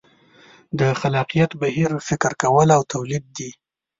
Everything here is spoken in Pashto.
د خلاقیت بهیر فکر کول او تولید دي.